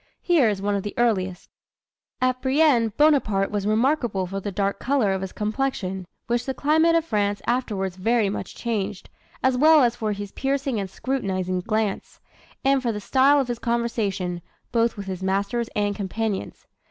Here is one of the earliest: "At Brienne, Bonaparte was remarkable for the dark color of his complexion, which the climate of France afterwards very much changed, as well as for his piercing and scrutinising glance, and for the style of his conversation, both with his masters and companions.